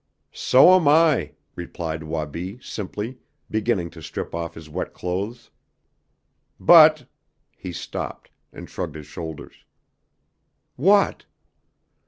"So am I," replied Wabi simply, beginning to strip off his wet clothes. "But " He stopped, and shrugged his shoulders. "What?"